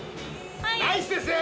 ナイスですね！